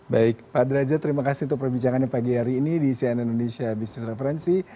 baik pak derajat terima kasih untuk perbincangannya pagi hari ini di cnn indonesia business referensi